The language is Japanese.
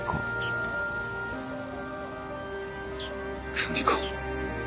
久美子。